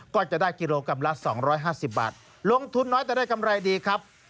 ก็จะได้กิโลกรัมละ๒๕๐บาทลงทุนน้อยแต่ได้กำไรดีครับ